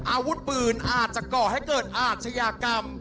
อาวุธปืนอาจจะก่อให้เกิดอาชญากรรม